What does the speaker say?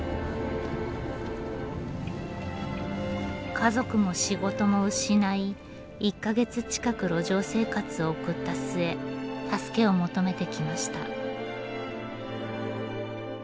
家族も仕事も失い１か月近く路上生活を送った末助けを求めてきました。